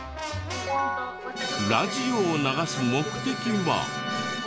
ラジオを流す目的は？